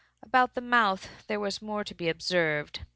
About the mouth there was more to be observed.